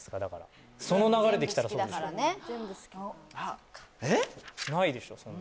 だからその流れできたらそうでしょ